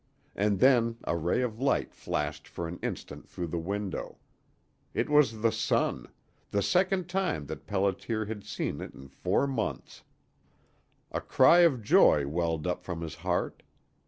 And then a ray of light flashed for an instant through the window. It was the sun the second time that Pelliter had seen it in four months. A cry of joy welled up from his heart.